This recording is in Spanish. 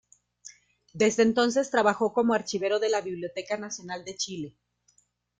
Desde entonces trabajó como archivero de la Biblioteca Nacional de Chile.